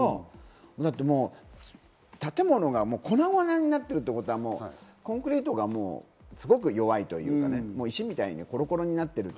だって建物が粉々になっているってことは、コンクリートがすごく弱いというかね、石みたいにコロコロになっている。